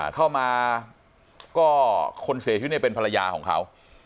เข้ามาก็คนเสียชีวิตเนี่ยเป็นภรรยาของเขา